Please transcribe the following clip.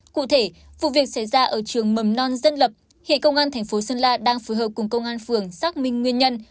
cụ thể vụ việc xảy ra ở trường mầm non dân lập hiện công an tp sơn la đang phù hợp cùng công an phường xác minh nguyên nhân